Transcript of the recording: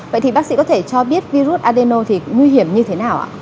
vậy thì bác sĩ có thể cho biết virus adeno thì nguy hiểm như thế nào ạ